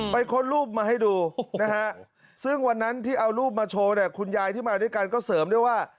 ค้นรูปมาให้ดูนะฮะซึ่งวันนั้นที่เอารูปมาโชว์เนี่ยคุณยายที่มาด้วยกันก็เสริมด้วยว่า